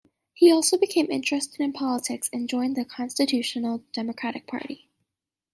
He also became interested in politics, and joined the Constitutional Democratic party.